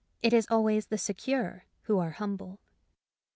It is always the se cure who are humble.